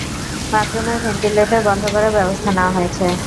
বাথরুমের ভেন্টিলেটার বন্ধ করার ব্যবস্থা নেয়া হয়েছে।